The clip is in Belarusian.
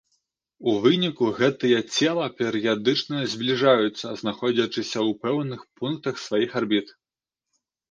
У выніку гэтыя цела перыядычна збліжаюцца, знаходзячыся ў пэўных пунктах сваіх арбіт.